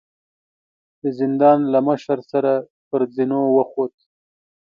د زندان له مشر سره پر زينو وخوت.